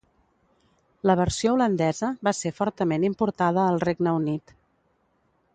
La versió holandesa va ser fortament importada al Regne Unit.